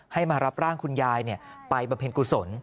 ให้มารับร่างคุณยายไปบำเพ็ญกุศล